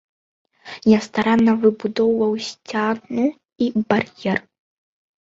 Я старанна выбудоўваю сцяну і бар'ер.